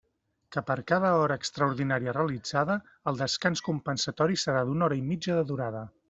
Que per cada hora extraordinària realitzada, el descans compensatori serà d'una hora i mitja de durada.